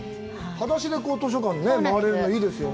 はだしで図書館を回れるの、いいですよね。